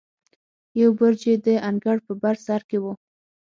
یو برج یې د انګړ په بر سر کې و.